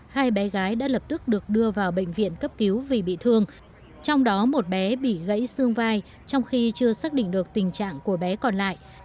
hai bé gái đã lập tức được đưa vào bệnh viện cấp cứu vì bị thương trong đó một bé bị gãy xương vai trong khi chưa xác định được tình trạng của bé còn lại